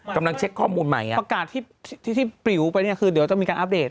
กำลังเช็คข้อมูลใหม่ประกาศที่ที่ปลิวไปเนี่ยคือเดี๋ยวต้องมีการอัปเดต